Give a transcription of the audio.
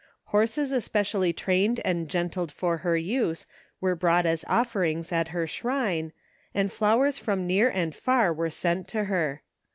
Horses especially trained and gentled for her use were brought as offerings at her shrine, and flowers from near and far were sent to her.